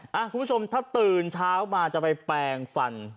คุณผู้ชมถ้าตื่นเช้ามาจะไปแปลงฟัน